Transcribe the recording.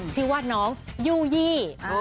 ชื่อว่าน้องยู่ยี่